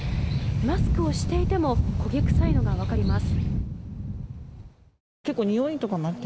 マスクをしていても焦げ臭いのが分かります。